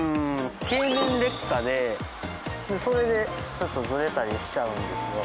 経年劣化でそれでちょっとズレたりしちゃうんですよ。